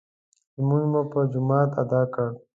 لمونځ مو په جماعت ادا کړ.